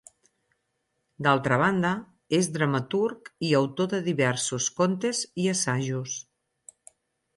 D'altra banda, és dramaturg i autor de diversos contes i assajos.